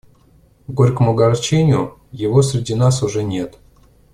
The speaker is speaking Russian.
К горькому огорчению, его среди нас уже нет.